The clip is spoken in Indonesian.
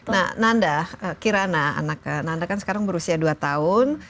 nah nanda kirana anak nanda kan sekarang berusia dua tahun